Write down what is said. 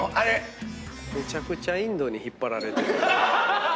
めちゃくちゃインドに引っ張られてるやん。